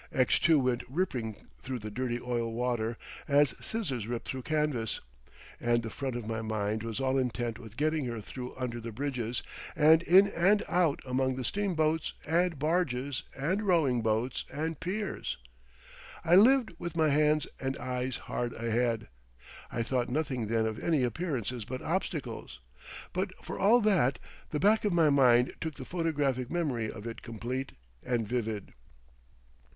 X2 went ripping through the dirty oily water as scissors rip through canvas, and the front of my mind was all intent with getting her through under the bridges and in and out among the steam boats and barges and rowing boats and piers. I lived with my hands and eyes hard ahead. I thought nothing then of any appearances but obstacles, but for all that the back of my mind took the photographic memory of it complete and vivid....